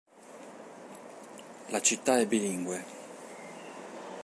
La città è bilingue.